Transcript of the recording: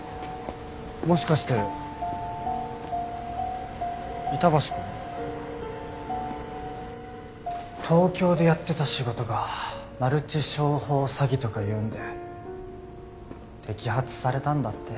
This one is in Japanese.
もしかして板橋くん？東京でやってた仕事がマルチ商法詐欺とかいうんで摘発されたんだって。